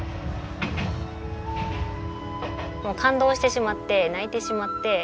もう感動してしまって泣いてしまって。